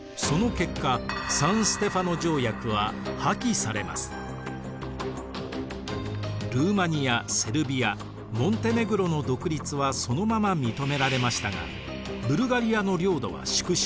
その結果ルーマニアセルビアモンテネグロの独立はそのまま認められましたがブルガリアの領土は縮小。